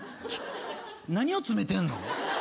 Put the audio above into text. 何を詰めてんの？